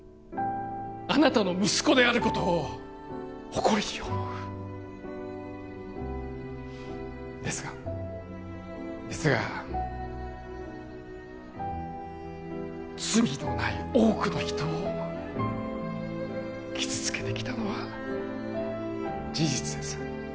あなたの息子であることを誇りに思うですがですが罪のない多くの人を傷つけてきたのは事実です